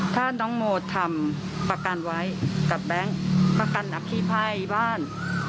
ถ้าน้องโมทำประกันไว้กับแบงค์ประกันอภิภัยบ้าน